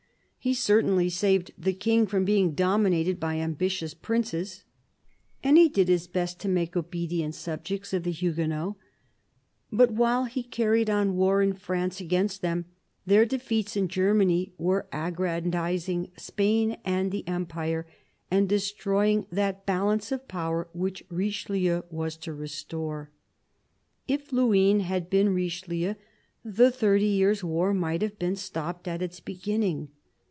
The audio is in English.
He certainly saved the King from being dominated by ambitious princes, and he did his best to make obedient subjects of the Huguenots. But while he carried on war in France against them, their defeats in Germany were aggrandising Spain and the Empire and destroying that balance of power which Richelieu was to restore. If Luynes had been Richelieu, the Thirty Years War might have been stopped at its beginning.